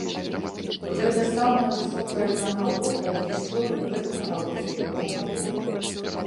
Гэта самая высокая цана лота ў гісторыі гэтага аўкцыённага дома.